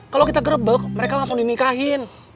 kalau kita gerebek mereka langsung dinikahin